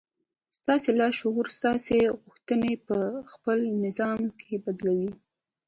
ستاسې لاشعور ستاسې غوښتنې پهخپل نظام کې بدلوي